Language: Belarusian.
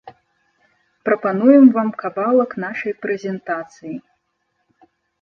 Прапануем вам кавалак нашай прэзентацыі.